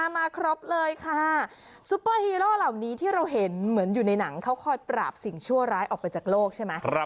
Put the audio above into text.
มาครบเลยค่ะซุปเปอร์ฮีโร่เหล่านี้ที่เราเห็นเหมือนอยู่ในหนังเขาคอยปราบสิ่งชั่วร้ายออกไปจากโลกใช่ไหม